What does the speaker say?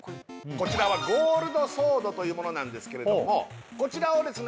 こちらはゴールドソードというものなんですけれどもこちらをですね